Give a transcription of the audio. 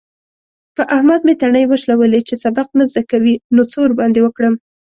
په احمد مې تڼۍ وشلولې. چې سبق نه زده کوي؛ نو څه ورباندې وکړم؟!